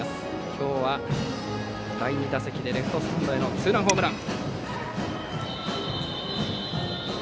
今日は第２打席でレフトスタンドへのツーランホームラン。